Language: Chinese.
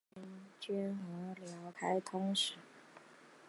归义军也和辽朝开始通使。